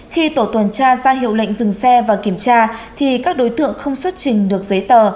khi tổ tuần tra ra hiệu lệnh dừng xe và kiểm tra thì các đối tượng không xuất trình được giấy tờ